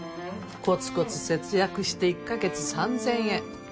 コツコツ節約して１カ月３，０００円。